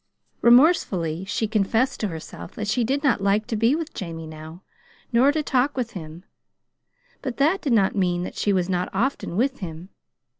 Remorsefully she confessed to herself that she did not like to be with Jamie now, nor to talk with him but that did not mean that she was not often with him.